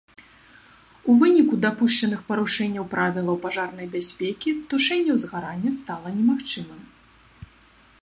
У выніку дапушчаных парушэнняў правілаў пажарнай бяспекі тушэнне узгарання стала немагчымым.